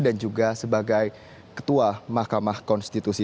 dan juga sebagai ketua mahkamah konstitusi